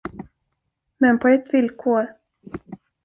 Men på ett villkor.